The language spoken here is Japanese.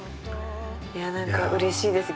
いや何かうれしいです。